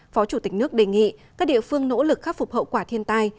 phó chủ tịch nước đề nghị các địa phương nỗ lực khắc phục hậu quả thiên tai